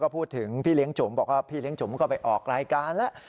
พูดถึงพี่เลี้ยงจุ๋มบอกว่าพี่เลี้ยจุ๋มก็ไปออกรายการแล้ว